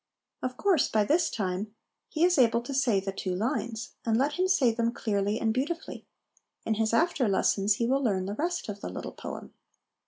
Of course, by this time he is able to say the two lines ; and let him say them clearly and beautifully. In his after lessons he will learn the rest of the little poem.